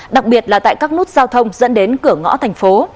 đặc biệt là tại các nút giao thông dẫn đến cửa ngõ thành phố